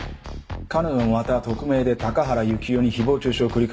彼女もまた匿名で高原雪世に誹謗中傷を繰り返していた一人だ。